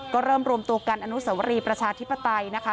ก็เริ่มรวมตัวกันอนุสวรีประชาธิปไตยนะคะ